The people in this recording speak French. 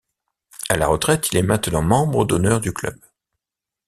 À la retraite, il est maintenant membre d'honneur du club.